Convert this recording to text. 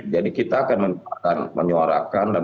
jadi kita akan menyuarakan